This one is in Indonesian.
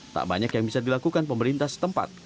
tak banyak yang bisa dilakukan pemerintah setempat